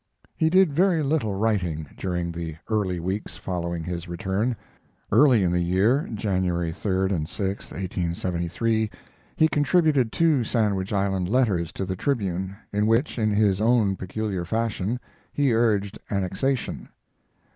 He did very little writing during the early weeks following his return. Early in the year (January 3 and 6, 1873) he contributed two Sandwich Island letters to the Tribune, in which, in his own peculiar fashion, he urged annexation.